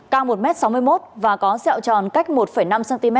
cao một m sáu mươi một và có sẹo tròn cách một năm cm